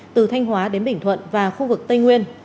từ thanh hóa đến bình thuận và khu vực tây nguyên